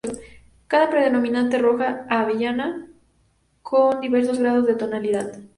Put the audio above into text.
Capa predominantemente roja a avellana, con diversos grados de tonalidad.